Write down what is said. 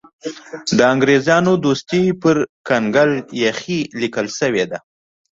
د انګرېزانو دوستي پر کنګل لیکل شوې ده.